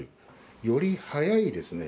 より早いですね。